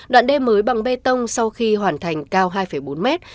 đoạn đê mới bằng bê tông sau khi hoàn thành cao hai bốn mét